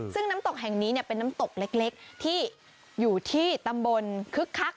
ซึ่งน้ำตกแห่งนี้เป็นน้ำตกเล็กที่อยู่ที่ตำบลคึกคัก